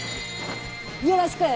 よろしく！